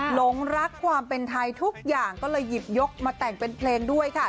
หลงรักความเป็นไทยทุกอย่างก็เลยหยิบยกมาแต่งเป็นเพลงด้วยค่ะ